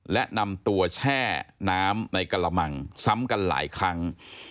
และนำตัวแช่น้ำในกระมังซ้ำกันหลายครั้ง